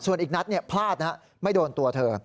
ส่วนอีกนัดพลาดไม่โดนตัวเธอ